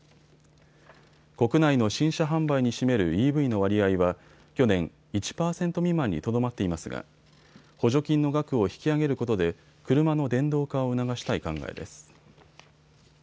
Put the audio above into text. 国内の新車販売に占めるＥＶの割合は去年１％未満にとどまっていますが補助金の額を引き上げることで車の電動化を促したい考えです。